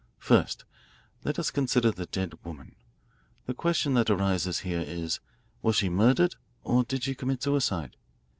"First, let us consider the dead woman. The question that arises here is, Was she murdered or did she commit suicide?